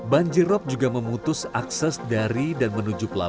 banjir rop juga memutus akses dari dan menuju pelayanan